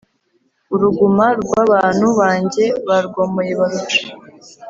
Uruguma rw abantu banjye barwomoye baruca